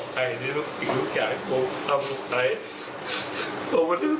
ขอให้ลูกชายโดรนับลูกใคร